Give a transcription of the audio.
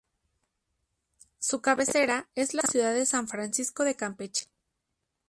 Su cabecera es la ciudad de San Francisco de Campeche.